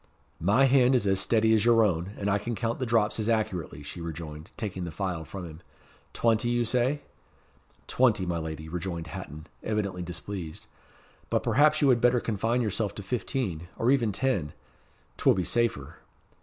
"My hand is as steady as your own, and I can count the drops as accurately," she rejoined, taking the phial from him. "Twenty, you say?" "Twenty, my lady," rejoined Hatton, evidently displeased; "but perhaps you had better confine yourself to fifteen, or even ten. 'T will be safer."